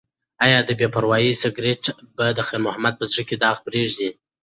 ایا د بې پروایۍ سګرټ به د خیر محمد په زړه کې داغ پریږدي؟